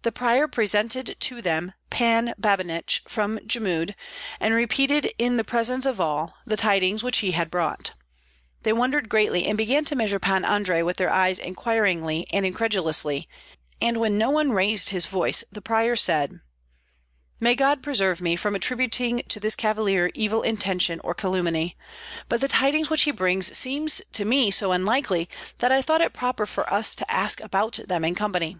The prior presented to them Pan Babinich from Jmud, and repeated in the presence of all the tidings which he had brought. They wondered greatly and began to measure Pan Andrei with their eyes inquiringly and incredulously, and when no one raised his voice the prior said, "May God preserve me from attributing to this cavalier evil intention or calumny; but the tidings which he brings seem to me so unlikely that I thought it proper for us to ask about them in company.